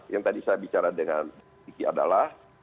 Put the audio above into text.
yang tadi saya bicara dengan diki adalah